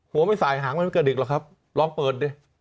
หัวไม่สายหางมันไม่กระดิกหรอกครับลองเปิดดิ